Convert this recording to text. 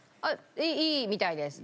いいみたいです。